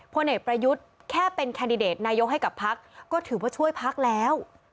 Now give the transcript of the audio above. พลเอกประยุทธ์แค่เป็นแคนดิเดตนายกให้กับพักก็ถือว่าช่วยพักแล้ว